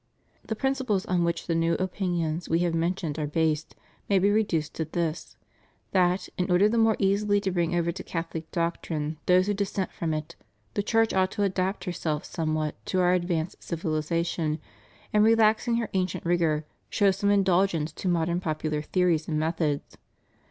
The principles on which the new opinions We have mentioned are based may be reduced to this: that, in order the more easily to bring over to Catholic doctrine those who dissent from it, the Church ought to adapt herself somewhat to our advanced civiUzation, and, relaxing her ancient rigor, show some indulgence to modern popular theories and methods.